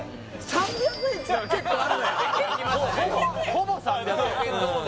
・ほぼ３００円